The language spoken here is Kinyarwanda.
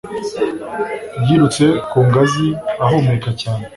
Yirutse ku ngazi ahumeka cyane.